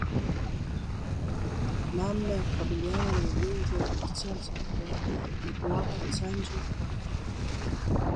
Namna ya kukabiliana na ugonjwa wa kichaa cha mbwa ni kuwapa chanjo paka